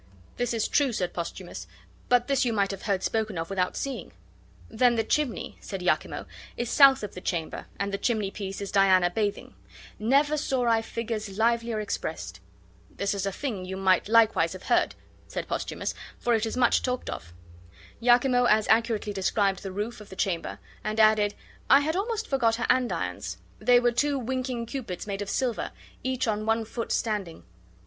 "This is true," said Posthumus; "but this you might have heard spoken of without seeing." "Then the chimney," said Iachimo, "is south of the chamber, and the chimneypiece is Diana bathing; never saw I figures livelier expressed." "This is a thing you might have likewise heard," said Posthumus; "for it is much talked of." Iachimo as accurately described the roof of the chamber; and added, "I had almost forgot her andirons; they were two winking Cupids made of silver, each on one foot standing.